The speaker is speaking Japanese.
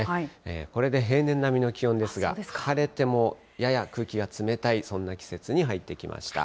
これで平年並みの気温ですが、晴れてもやや空気が冷たい、そんな季節に入ってきました。